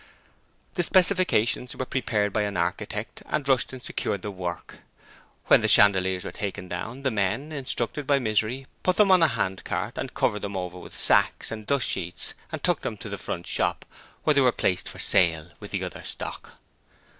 The specifications were prepared by an architect, and Rushton secured the work. When the chandeliers were taken down, the men, instructed by Misery, put them on a handcart, and covered them over with sacks and dust sheets and took them to the front shop, where they were placed for sale with the other stock.